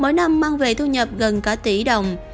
mỗi năm mang về thu nhập gần cả tỷ đồng